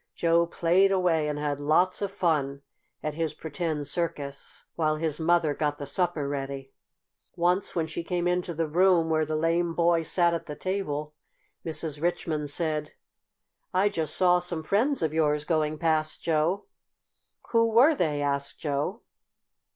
Joe played away and had lots of fun at his pretend circus, while his mother got the supper ready. Once when she came into the room where the lame boy sat at the table, Mrs. Richmond said: "I just saw some friends of yours going past, Joe." "Who were they?" asked Joe.